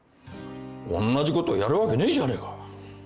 おんなじことやるわけねえじゃねえか。